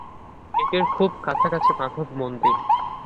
এটির খুব কাছাকাছি মাধব মন্দির।